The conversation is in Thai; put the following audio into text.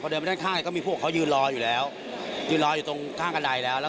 พอเดินไปด้านข้างที่ก็มีพวกเขายื้อนฝัวอยู่แล้ว